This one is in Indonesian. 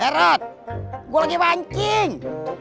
heret gua lagi mancing